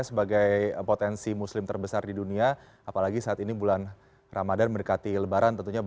sebagai potensi muslim terbesar di dunia apalagi saat ini bulan ramadan mendekati lebaran tentunya